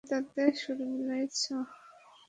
তুমি তাতে সুর মিলিয়েছ।